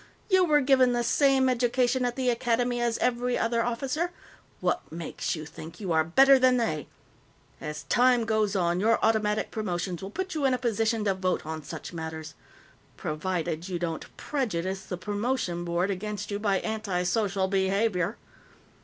You were given the same education at the Academy as every other officer; what makes you think you are better than they? As time goes on, your automatic promotions will put you in a position to vote on such matters provided you don't prejudice the Promotion Board against you by antisocial behavior.